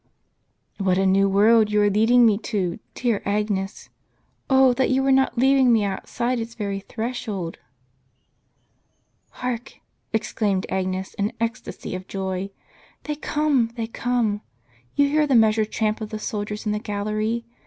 " "What a new world you are leading me to, dear Agnes! Oh, that you were not leaving me outside its very threshold !" pn ^" Haik !" exclaimed Agnes, in an ecstasy of joy. " They come, they come ! You hear the measured tramp of the sol diers in the gallery.